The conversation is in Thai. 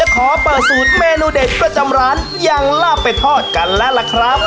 ขอเปิดสูตรเมนูเด็ดกระจำร้านยังล่ะเป็นทอดกันละครับ